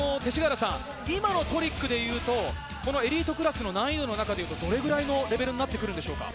今のトリックで言うと、エリートクラスの難易度の中でいうと、どれぐらいのレベルですか？